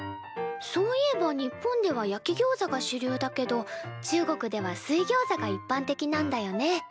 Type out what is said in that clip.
そういえば日本では焼きギョウザが主流だけど中国では水ギョウザがいっぱん的なんだよね。